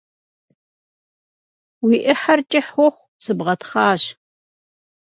Уи Ӏыхьэр кӀыхь ухъу, сыбгъэтхъащ!